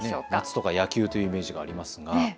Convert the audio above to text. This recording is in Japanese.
夏とか野球のイメージがあります。